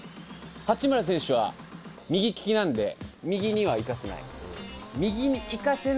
八村選手は右利きなんで右には行かせない。